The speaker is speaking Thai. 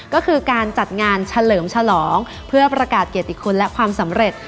ก็คือการจัดงานเฉลิมฉลองเพื่อประกาศเกียรติคุณและความสำเร็จ